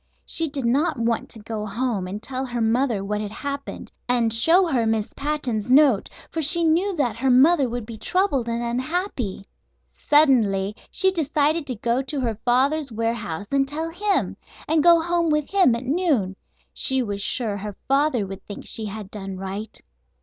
She did not want to go home and tell her mother what had happened, and show her Miss Patten's note, for she knew that her mother would be troubled and unhappy. Suddenly she decided to go to her father's warehouse and tell him, and go home with him at noon. She was sure her father would think she had done right.